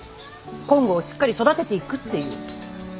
金剛をしっかり育てていくっていう。